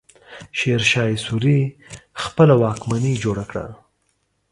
شېرشاه سوري خپله واکمني جوړه کړه.